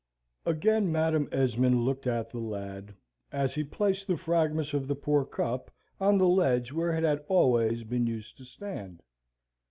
Again Madam Esmond looked at the lad, as he placed the fragments of the poor cup on the ledge where it had always been used to stand.